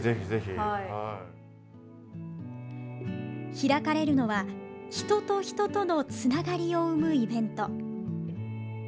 開かれるのは、人と人とのつながりを生むイベント。